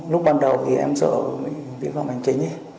lúc ban đầu thì em sợ bị phạm hành chính ý